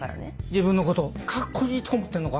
自分のことカッコいいと思ってるのか？